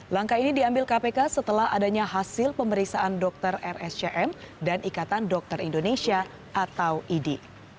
langkah ini diambil kpk setelah adanya hasil pemeriksaan dokter rscm dan ikatan dokter indonesia atau idi